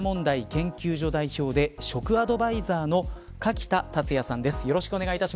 研究所代表で食アドバイザーの垣田達哉さんです。